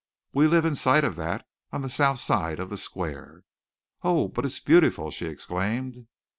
"We live in sight of that on the south side of the Square." "Oh! but it is beautiful!" she exclaimed.